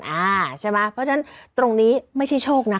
อ่าใช่ไหมเพราะฉะนั้นตรงนี้ไม่ใช่โชคนะ